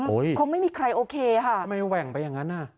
คงไม่มีใครโอเคค่ะทำไมแหว่งไปอย่างนั้นอ่ะ